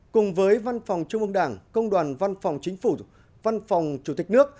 cùng với văn phòng trung ương đảng công đoàn văn phòng chính phủ văn phòng chủ tịch nước